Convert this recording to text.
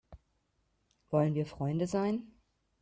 Wollen wir Freunde sein?